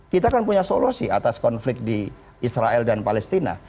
kita kan punya solusi atas konflik di israel dan palestina